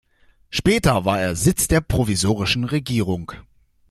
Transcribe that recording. Später war er Sitz der provisorischen Regierung.